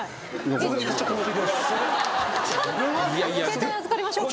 携帯預かりましょうか？